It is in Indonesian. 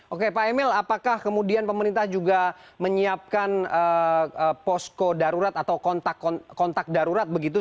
oke pak emil apakah kemudian pemerintah juga menyiapkan posko darurat atau kontak darurat begitu